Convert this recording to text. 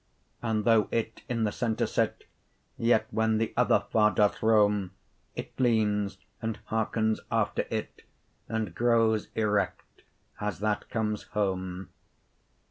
And though it in the center sit, Yet when the other far doth rome, 30 It leanes, and hearkens after it, And growes erect, as that comes home.